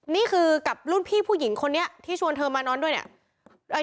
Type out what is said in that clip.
นี่คือกับรุ่นพี่ผู้หญิงคนนี้ที่ชวนเธอมานอนด้วยเนี่ย